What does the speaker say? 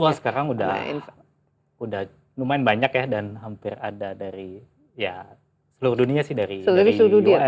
wah sekarang udah lumayan banyak ya dan hampir ada dari ya seluruh dunia sih dari us dari jepang